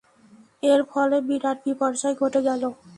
এর ফলে বিরাট বিপর্যয় ঘটে গেল।